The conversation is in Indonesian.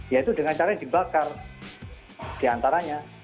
yaitu dengan caranya dibakar diantaranya